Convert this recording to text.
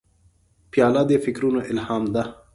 پیاله د فکرونو الهام ده.